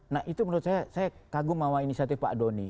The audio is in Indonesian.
nah itu menurut saya saya kagum sama inisiatif pak doni